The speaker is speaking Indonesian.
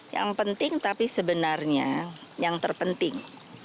yang penting tapi sebenarnya yang terpenting